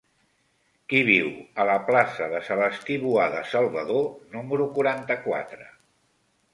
Qui viu a la plaça de Celestí Boada Salvador número quaranta-quatre?